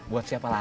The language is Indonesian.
buat siapa lagi